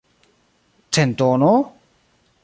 Centono?